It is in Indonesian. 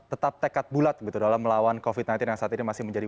tetap tekad bulat dalam melawan covid sembilan belas yang saat ini masih menjadi